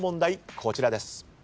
こちらです。